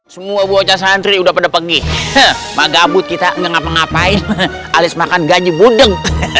semua bocah santri udah pada pergi mah gabut kita nggak ngapa ngapain alis makan gaji budeg